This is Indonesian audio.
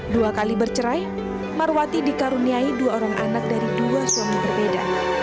dua kali bercerai marwati dikaruniai dua orang anak dari dua suami berbeda